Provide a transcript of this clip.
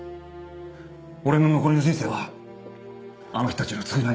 俺の残りの人生はあの人たちの償いに当てる。